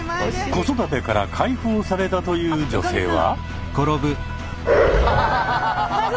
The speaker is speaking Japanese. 子育てから解放されたという女性は？